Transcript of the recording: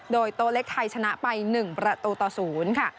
โดยโตเล็กไทยชนะไป๑ประตูต่อศูนย์